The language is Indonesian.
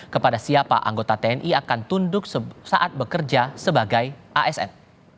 kepada siapa anggota tni akan tunduk saat bekerja sebagai asn